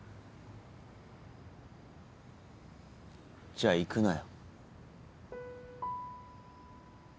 じゃあ行くなよ。